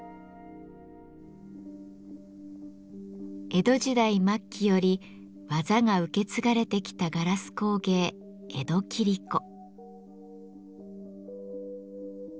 江戸時代末期より技が受け継がれてきたガラス工芸「江戸切子」。